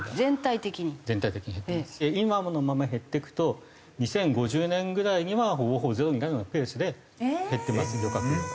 今のまま減っていくと２０５０年ぐらいにはほぼほぼゼロになるようなペースで減ってます漁獲量は。